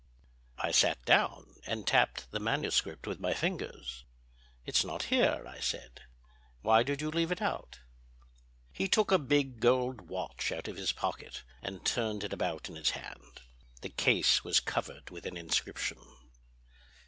I sat down and tapped the manuscript with my fingers. "It's not here," I said. "Why did you leave it out?" He took a big gold watch out of his pocket and turned it about in his hand. The case was covered with an inscription.